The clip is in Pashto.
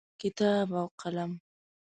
کتاب او قلم